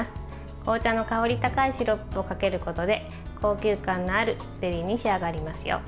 紅茶の香り高いシロップをかけることで高級感のあるゼリーに仕上がりますよ。